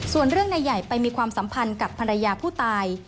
ส่วนเรื่องนายใหญ่ไปมีความสัมพันธ์กับภรรยาผู้ตาย